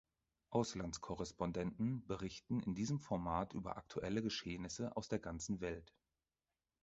Auslandskorrespondenten berichten in diesem Format über aktuelle Geschehnisse aus der ganzen Welt.